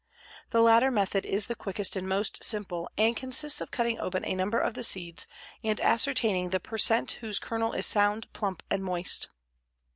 The latter method is the quickest and most simple and consists of cutting open a number of the seeds and ascertaining the per cent whose kernel is sound, plump and moist.